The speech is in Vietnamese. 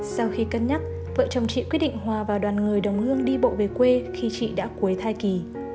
sau khi cân nhắc vợ chồng chị quyết định hòa vào đoàn người đồng hương đi bộ về quê khi chị đã cuối thai kỳ